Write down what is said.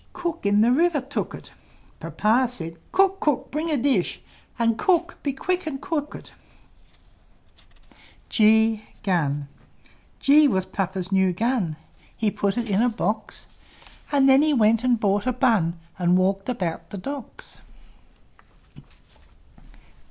Cook in the river took it Papa said, "Cook! Cook! bring a dish! And, Cook! be quick and cook it!" G G was Papa's new Gun; He put it in a box; And then he went and bought a bun, And walked about the Docks.